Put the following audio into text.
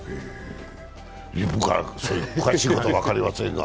そういう詳しいことは分かりませんが。